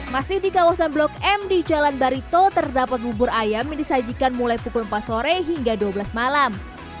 masih di kawasan blok m di jalan barito terdapat bubur ayam yang disajikan mulai pukul empat sore hingga dua belas malam